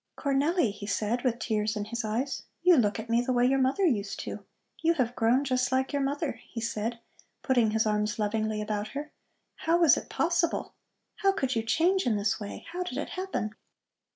"Cornelli," he said with tears in his eyes, "you look at me the way your mother used to. You have grown just like your mother," he said, putting his arms lovingly about her. "How was it possible? How could you change in this way? How did it happen?"